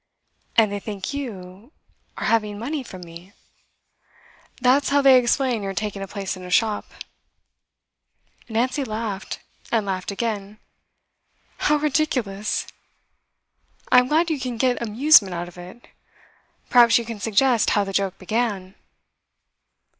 'And they think you are having money from me?' 'That's how they explain your taking a place in a shop.' Nancy laughed, and laughed again. 'How ridiculous!' 'I'm glad you can get amusement out of it. Perhaps you can suggest how the joke began?